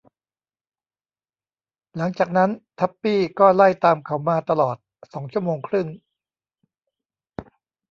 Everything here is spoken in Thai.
หลังจากนั้น ทับปี้ก็ไล่ตามเขามาตลอดสองชั่วโมงครึ่ง